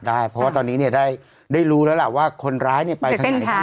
ได้เพราะว่าตอนนี้เนี้ยได้ได้รู้แล้วละว่าคนร้ายเนี้ยไป